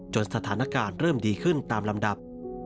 สถานการณ์เริ่มดีขึ้นตามลำดับ